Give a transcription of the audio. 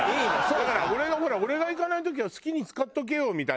だから「俺が行かない時は好きに使っとけよ」みたいなさ。